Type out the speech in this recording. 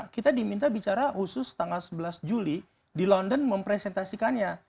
kita diminta bicara khusus tanggal sebelas juli di london mempresentasikannya